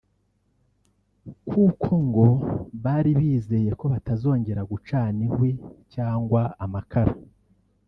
kuko ngo bari bizeye ko batazongera gucana inkwi cyangwa amakara